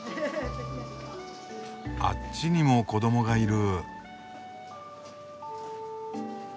あっちにも子どもがいる。